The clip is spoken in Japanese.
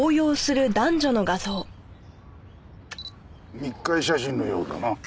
密会写真のようだな。